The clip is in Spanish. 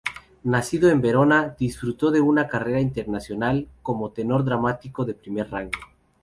Nacido en Verona, disfrutó de una carrera internacional como tenor dramático de primer rango.